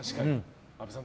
阿部さん